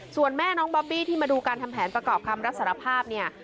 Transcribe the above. ส่วนแม่น้องบอบบี้ที่มาดูการทำแผนประกอบคำรับสารภาพเนี่ย